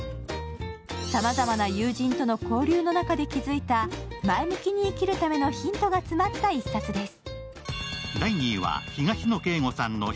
さまざまな友人との交流の中で気付いた、前向きに生きるためのヒントが詰まった一冊です。